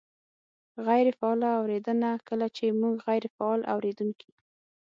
-غیرې فعاله اورېدنه : کله چې مونږ غیرې فعال اورېدونکي